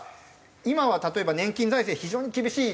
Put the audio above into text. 今は例えば年金財政非常に厳しい。